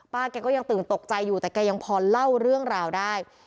แกก็ยังตื่นตกใจอยู่แต่แกยังพอเล่าเรื่องราวได้